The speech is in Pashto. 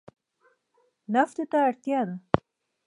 نفتو ته اړتیا ده.